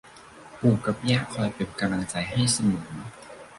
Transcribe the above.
ปู่กับย่าคอยเป็นกำลังใจให้เสมอ